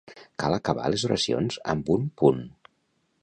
Cal acabar les oracions amb un punt.